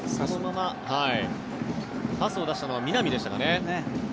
パスを出したのは南でしたかね。